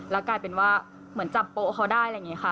แล้วกลายเป็นว่าเหมือนจับโป๊เขาได้อะไรอย่างนี้ค่ะ